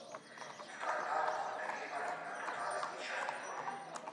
Il trattato conteneva in totale dieci articoli.